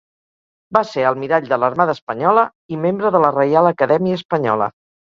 Va ser almirall de l'Armada Espanyola i membre de la Reial Acadèmia Espanyola.